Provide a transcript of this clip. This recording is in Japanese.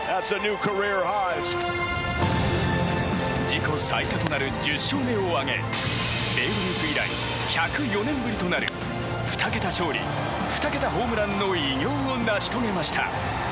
自己最多となる１０勝目を挙げベーブ・ルース以来１０４年ぶりとなる２桁勝利２桁ホームランの偉業を成し遂げました。